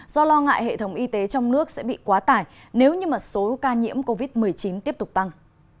do lo ngại hệ thống y tế trong nước sẽ bị quá tải nếu như số ca nhiễm covid một mươi chín tiếp tục tăng